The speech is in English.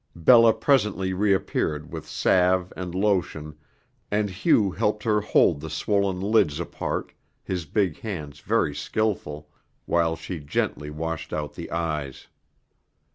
Bella presently reappeared with salve and lotion, and Hugh helped her hold the swollen lids apart, his big hands very skillful, while she gently washed out the eyes.